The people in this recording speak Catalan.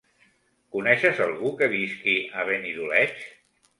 Coneixes algú que visqui a Benidoleig?